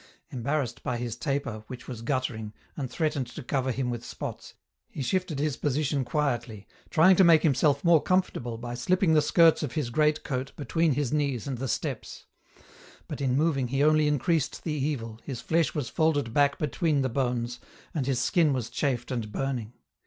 Embarrassed by his taper, which was guttering, and threatened to cover him with spots, he shifted his position quietly, trying to make himself more comfort able by slippmg the skirts of his great coat between his knees and the steps ; but in moving he only increased the evil, his flesh was folded back between the bones, and his skin was chafed and burning.